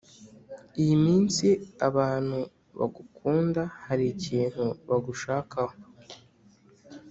iyi minsi abantu bagukunda hari ikintu bagushakaho